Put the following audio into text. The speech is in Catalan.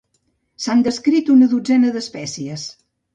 S'han descrit una dotzena d'espècies.